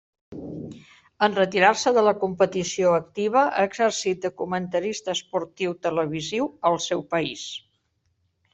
En retirar-se de la competició activa ha exercit de comentarista esportiu televisiu al seu país.